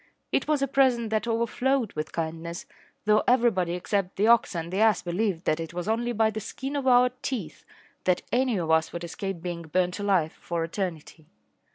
It was a present that overflowed with kindness, though everybody except the ox and the ass believed that it was only by the skin of our teeth that any of us would escape being burnt alive for eternity.